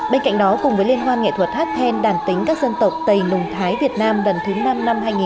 bên cạnh đó cùng với liên hoan nghệ thuật hát then đàn tính các dân tộc tây nùng thái việt nam lần thứ năm năm hai nghìn một mươi chín